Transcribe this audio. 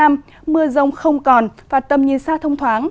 mưa rông không còn và tầm nhìn xa thông thoáng